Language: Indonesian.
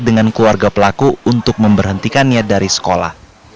dengan keluarga pelaku untuk memberhentikannya dari sekolah